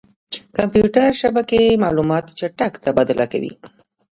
کمپیوټر شبکې معلومات چټک تبادله کوي.